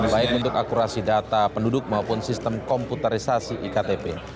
baik untuk akurasi data penduduk maupun sistem komputerisasi iktp